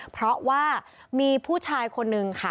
เพราะว่ามีผู้ชายคนนึงค่ะ